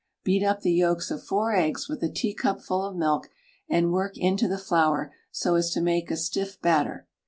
Beat up the yolks of 4 eggs with a teacupful of milk, and work into the flour so as to make a stiff batter.